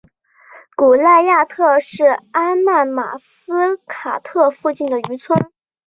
古赖亚特是阿曼马斯喀特附近的渔村。